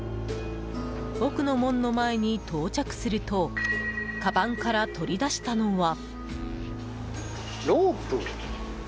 奥の門の前に到着するとかばんから取り出したのは。